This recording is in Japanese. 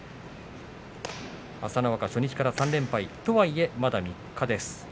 朝乃若初日から３連敗とはいえまだ三日目。